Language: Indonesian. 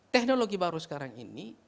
teknologi baru sekarang ini